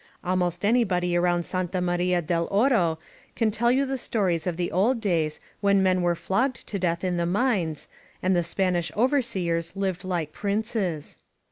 Almost anybody around Santa Maria del Oro can tell you stories of the old days when men were flogged to death in the mines, and the Spanish over seers lived like princes.